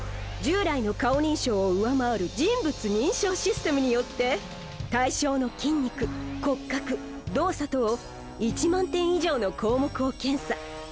従来の顔認証を上回る人物認証システムによって対象の筋肉骨格動作等１万点以上の項目を検査。